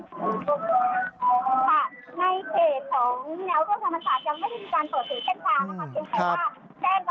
ในเกจของแนวโทรศัมภาษายังไม่ได้มีการประสิทธิ์เป้นการ